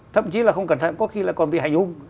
thậm chí là không cần có khi là còn bị hành hung